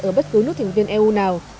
ở bất cứ nước thành viên eu nào